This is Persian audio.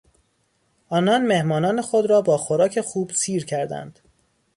آنان مهمانان خود را با خوراک خوب سیر کردند.